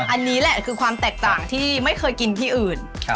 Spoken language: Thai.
อันนี้แหละคือความแตกต่างที่ไม่เคยกินที่อื่น